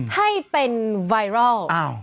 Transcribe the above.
ให้เป็นไวรัลอ้าว